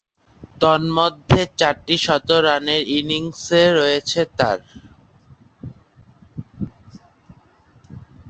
তন্মধ্যে চারটি শতরানের ইনিংসে রয়েছে তার।